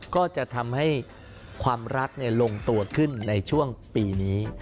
ก็จะทำให้ความรักลงตัวขึ้นในช่วงปีนี้